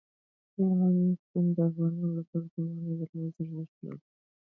هلمند سیند د افغانانو لپاره په معنوي لحاظ ارزښت لري.